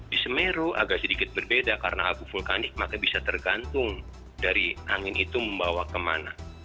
di semeru agak sedikit berbeda karena abu vulkanik maka bisa tergantung dari angin itu membawa kemana